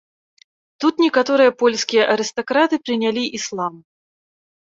Тут некаторыя польскія арыстакраты прынялі іслам.